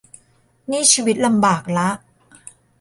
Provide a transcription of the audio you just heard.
นี่ชีวิตลำบากละ